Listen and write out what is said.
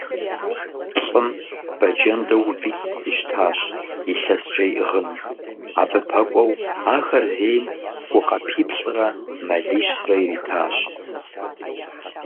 ЛӀым бэджэнду витӀ къищтащ, илъэскӀэ иӀыгъыну. Абы пэкӀуэу ахэр зейм ху къэпиплӀрэ мэлищрэ иритащ.